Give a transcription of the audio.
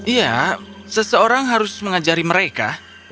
ya seseorang harus mengajari mereka